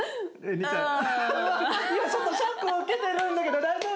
今ちょっとショック受けてるんだけど大丈夫？